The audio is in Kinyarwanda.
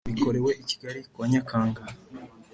Bikorewe i kigali kuwa nyakanga